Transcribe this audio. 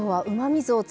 うまみ酢。